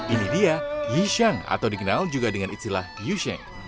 ini dia yishang atau dikenal juga dengan istilah yusheng